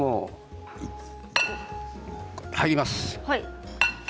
入ります。